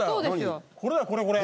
これだこれこれ。